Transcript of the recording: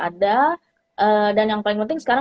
ada dan yang paling penting sekarang